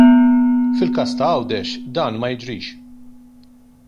Fil-każ ta' GĦawdex dan ma jiġrix.